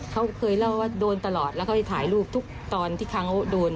เขาเคยเล่าว่าโดนตลอดแล้วเขาจะถ่ายรูปทุกตอนที่เขาโดน